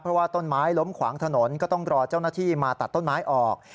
เพราะว่าต้นไม้ล้มขวางถนนก็ต้องรอเจ้าหน้าที่มาตัดต้นไม้ออก